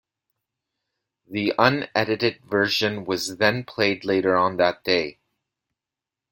The unedited version was then played later on that day.